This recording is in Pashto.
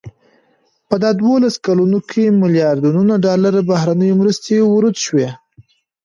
په دا دولسو کلونو کې ملیاردونو ډالرو بهرنیو مرستو ورود شو.